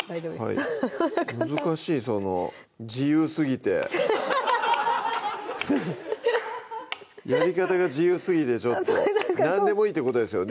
はい難しいその自由すぎてやり方が自由すぎてちょっと何でもいいってことですよね